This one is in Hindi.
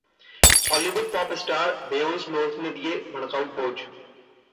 Hollywood pop star Beyonce Knowles ने दिए भड़काऊ पोज